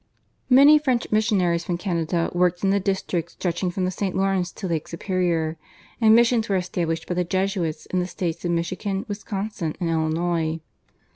Many French missionaries from Canada worked in the district stretching from the St. Lawrence to Lake Superior, and missions were established by the Jesuits in the states of Michigan, Wisconsin, and Illinois.